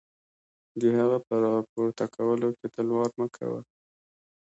د هغه په را پورته کولو کې تلوار هم مه کوه.